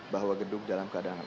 bahwa gedung dalam keadaan